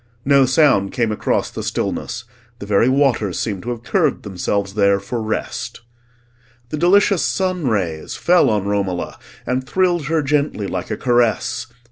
No sound came across the stillness; the very waters seemed to have curved themselves there for rest. The delicious sun rays fell on Romola and thrilled her gently like a caress.